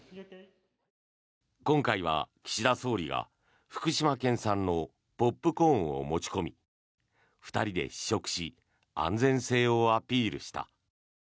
今回は岸田総理が福島県産のポップコーンを持ち込み２人で試食し安全性をアピールした。